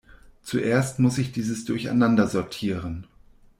Zuerst muss ich dieses Durcheinander sortieren.